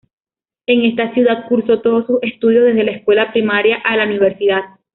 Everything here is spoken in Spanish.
En esta ciudad cursó todos sus estudios, desde la escuela primaria a la Universidad.